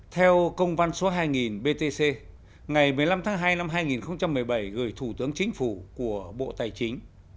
theo công văn số hai btc ngày một mươi năm tháng hai năm hai nghìn một mươi bảy gửi thủ tướng chính phủ của bộ tài chính